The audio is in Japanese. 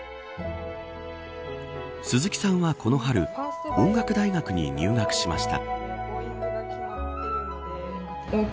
鈴木さんは、この春音楽大学に入学しました。